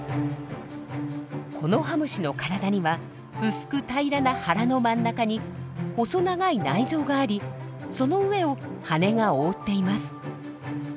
コノハムシの体には薄く平らな腹の真ん中に細長い内臓がありその上を羽が覆っています。